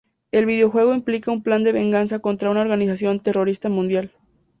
El videojuego implica un plan de venganza contra una organización terrorista mundial.